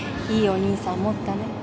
いいお兄さん持ったね。